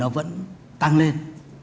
nó vẫn tăng lên